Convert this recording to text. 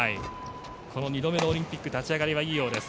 この２度目のオリンピック立ち上がりはいいようです。